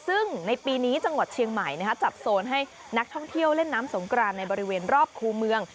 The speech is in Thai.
ซึ่งในปีนี้จังหวัดเชียงใหม่จัดโซนให้นักท่องเที่ยวเล่นน้ำสงกรานในบริเวณรอบคู่เมือง